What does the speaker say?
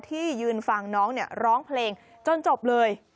ที่ยืนฟังน้องร้องเพลงจนจบเลย